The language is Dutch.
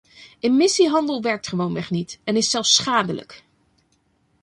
Emissiehandel werkt gewoonweg niet en is zelfs schadelijk.